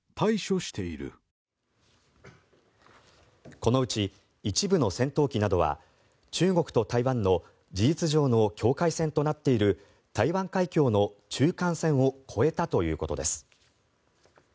このうち一部の戦闘機などは中国と台湾の事実上の境界線となっている台湾海峡の中間線を越えたということです。